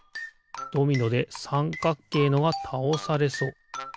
ドミノでさんかっけいのがたおされそう。